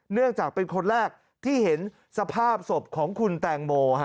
เนื่องจากเป็นคนแรกที่เห็นสภาพศพของคุณแตงโม